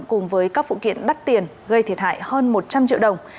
cùng với các phụ kiện đắt tiền gây thiệt hại hơn một trăm linh triệu đồng